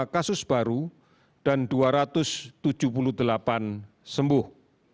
dua ratus dua puluh lima kasus baru dan dua ratus tujuh puluh delapan sembuh